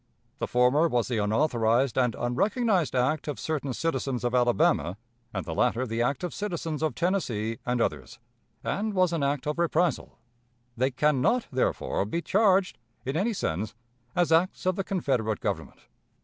The former was the unauthorized and unrecognized act of certain citizens of Alabama, and the latter the act of citizens of Tennessee and others, and was an act of reprisal. They can not, therefore, be charged, in any sense, as acts of the Confederate Government.